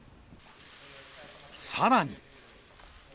さらに。